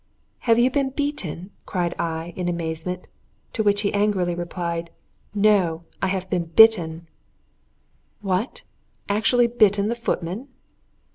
"Have you been beaten?" cried I, in amazement; to which he angrily replied: "No! I have been bitten." What, actually bitten the footman!